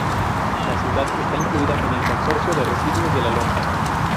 La ciudad está incluida en el Consorcio de Residuos de la Loma.